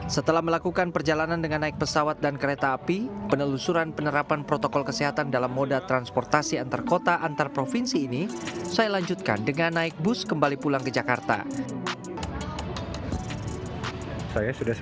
setelah melakukan perjalanan dengan naik pesawat dan kereta api penelusuran penerapan protokol kesehatan dalam moda transportasi antar kota antar provinsi ini saya lanjutkan dengan naik bus kembali pulang ke jakarta